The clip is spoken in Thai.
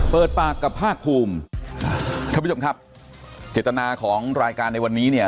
เปิดปากกับภาคภูมิท่านผู้ชมครับเจตนาของรายการในวันนี้เนี่ย